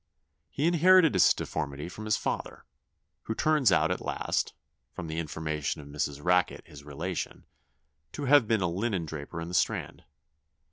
He inherited his deformity from his father, who turns out at last, from the information of Mrs. Racket his relation, to have been a linen draper in the Strand.